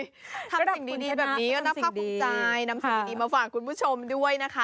สำหรับคุณชนะจะทำสิ่งดีแบบนี้ก็นับภาพภูมิใจนำสิ่งดีมาฝากคุณผู้ชมด้วยนะคะ